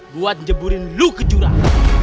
buat jeburin lu ke jurang